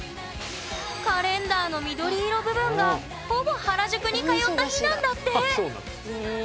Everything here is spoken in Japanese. カレンダーの緑色部分がほぼ原宿に通った日なんだって！